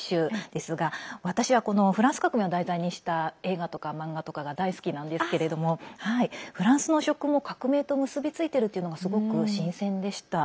ですが私は、このフランス革命を題材にした映画とか漫画とかが大好きなんですけれどもフランスの食も革命と結び付いてるというのがすごく新鮮でした。